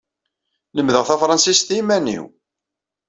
Lemmdeɣ tafṛensist i yiman-inu.